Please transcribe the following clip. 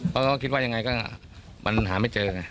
เพราะถูกคิดว่ายังไงก็มันหาไม่เจอ